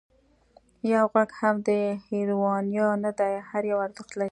یو غږ هم د هېروانیو نه دی، هر یو ارزښت لري.